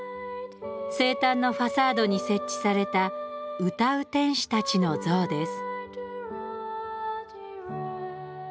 生誕のファサードに設置された歌う天使たちの像です。